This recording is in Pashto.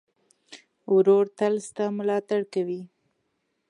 ورور تل ستا ملاتړ کوي.